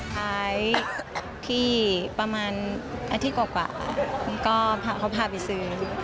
ไปที่ประมาณอาทิตย์กว่ากว่าก็เขาพาไปซื้อ